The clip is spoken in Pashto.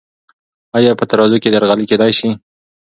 آیا په ترازو کې درغلي کیدی سی؟